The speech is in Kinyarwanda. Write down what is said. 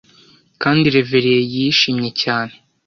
kandi reverie yishimye cyane